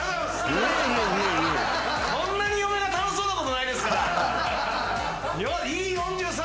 こんなに嫁が楽しそうなことないですから。